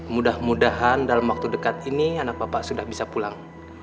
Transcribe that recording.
mudah mudahan dalam waktu dekat ini anak bapak sudah bisa pulang